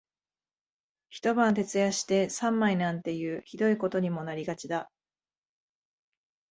一晩徹夜して三枚なんていう酷いことにもなりがちだ